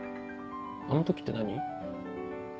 「あの時」って何？